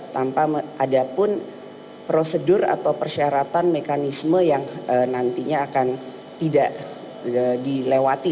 tanpa ada pun prosedur atau persyaratan mekanisme yang nantinya akan tidak dilewati